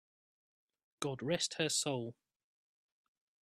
God rest her soul!